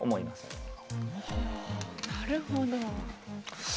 はあなるほど。